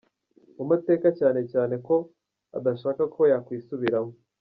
mu mateka cyane cyane ko adashaka ko yakwisubiramo.